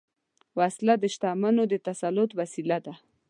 وسله د شتمنو د تسلط وسیله ده